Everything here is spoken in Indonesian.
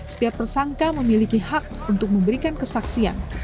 setiap tersangka memiliki hak untuk memberikan kesaksian